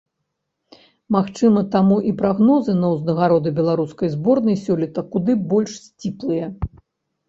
Магчыма, таму і прагнозы на ўзнагароды беларускай зборнай сёлета куды больш сціплыя.